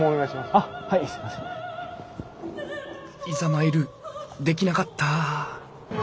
「いざ参る」できなかった。